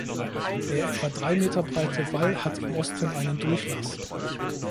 Der etwa drei Meter breite Wall hat im Osten einen Durchlass.